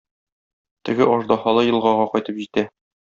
Теге аждаһалы елгага кайтып җитә.